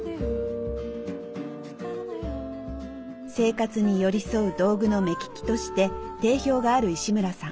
生活に寄り添う道具の目利きとして定評がある石村さん。